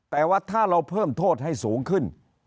แต่ว่าถ้าเราเพิ่มโทษให้สูงขึ้น